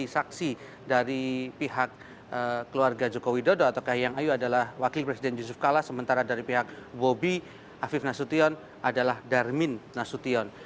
saksi dari pihak keluarga joko widodo atau kahiyang ayu adalah wakil presiden yusuf kala sementara dari pihak bobi afif nasution adalah darmin nasution